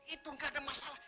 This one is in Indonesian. itu gak ada masalah